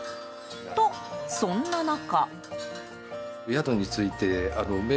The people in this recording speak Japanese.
と、そんな中。